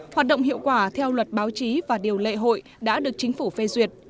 hoạt động hiệu quả theo luật báo chí và điều lệ hội đã được chính phủ phê duyệt